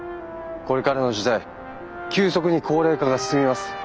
これからの時代急速に高齢化が進みます。